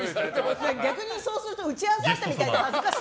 逆にそうすると打ち合わせあったみたいで恥ずかしい。